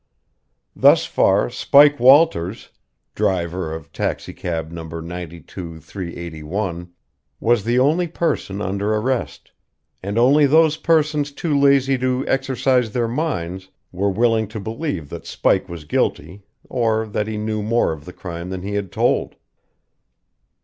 Thus far Spike Walters, driver of taxicab No. 92,381, was the only person under arrest, and only those persons too lazy to exercise their minds were willing to believe that Spike was guilty or that he knew more of the crime than he had told.